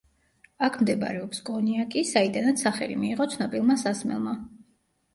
აქ მდებარეობს კონიაკი, საიდანაც სახელი მიიღო ცნობილმა სასმელმა.